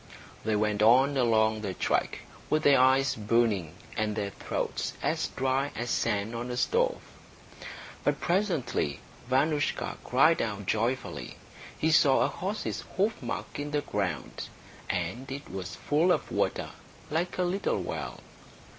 They went on along the track, with their eyes burning and their throats as dry as sand on a stove. But presently Vanoushka cried out joyfully. He saw a horse's hoofmark in the ground. And it was full of water, like a little well.